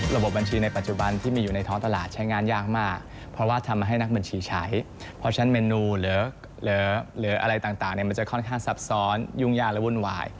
บบัญชีในปัจจุบันที่มีอยู่ในท้องตลาดใช้งานยากมากเพราะว่าทำให้นักบัญชีใช้เพราะฉะนั้นเมนูหรืออะไรต่างมันจะค่อนข้างซับซ้อนยุ่งยากและวุ่นวาย